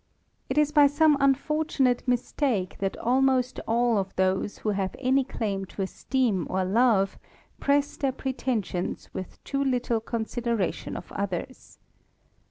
_It_^ is by_ some unfortunate mistake that almost all those who have any cfi Tin_to_esteem ^r_love, jress their pretensions witE~ too little consideration _of_others.